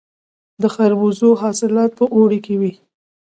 د خربوزو حاصلات په اوړي کې وي.